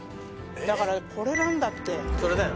だからこれなんだってそれだよ